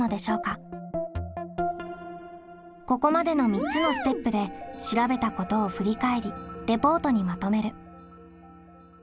ここまでの３つのステップで調べたことを振り返りレポートにまとめる。